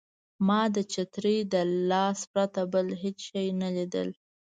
ما د چترۍ د لاسۍ پرته بل هېڅ شی نه لیدل.